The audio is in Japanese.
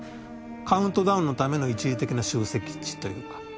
カウントダウンのための一時的な集積地というか。